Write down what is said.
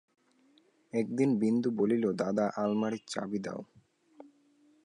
একদিন বিন্দু বলিল, দাদা আলমারির চাবি দাও।